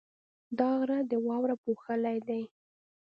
دا غره د واورو پوښلی دی.